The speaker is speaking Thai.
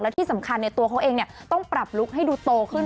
ที่สำคัญตัวเขาเองต้องปรับลุคให้ดูโตขึ้น